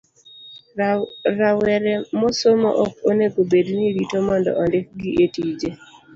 Rawere mosomo ok onego obed ni rito mondo ondikgi etije.